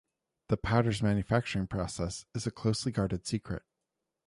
The powder's manufacturing process is a closely guarded secret.